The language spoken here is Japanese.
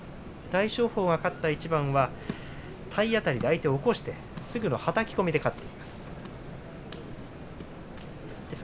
大翔鵬の勝った相撲は体当たりで、相手を起こしてはたき込みで勝っています。